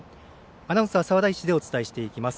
アナウンサー、沢田石でお伝えします。